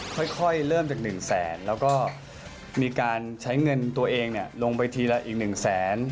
ค่อยเริ่มจาก๑แสนแล้วก็มีการใช้เงินตัวเองลงไปทีละอีก๑แสน